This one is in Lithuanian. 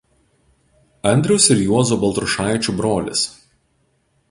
Andriaus ir Juozo Baltrušaičių brolis.